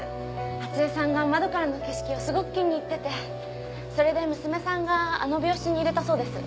初枝さんが窓からの景色をすごく気に入っててそれで娘さんがあの病室に入れたそうです